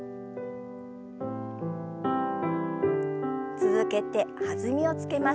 続けて弾みをつけます。